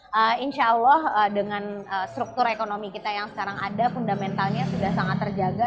ya insya allah dengan struktur ekonomi kita yang sekarang ada fundamentalnya sudah sangat terjaga